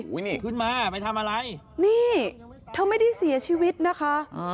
นี่ขึ้นมาไปทำอะไรนี่เธอไม่ได้เสียชีวิตนะคะ